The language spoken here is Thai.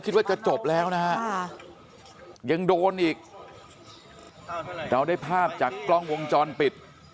คิดว่าจะจบแล้วนะฮะยังโดนอีกเราได้ภาพจากกล้องวงจรปิด